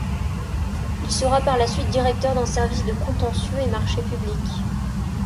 Il sera par la suite directeur d’un service de Contentieux et Marchés publics.